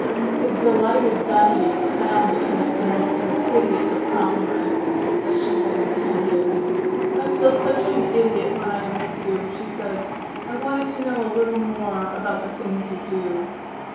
His delighted vanity found in it the most insidious of compliments, as she had intended. "I feel such an idiot when I am with you," she said. "I wanted to know a little more about the things you do."